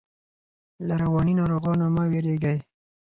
له رواني ناروغانو مه ویریږئ.